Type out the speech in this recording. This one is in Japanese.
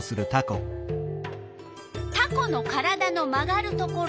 タコの体の曲がるところ。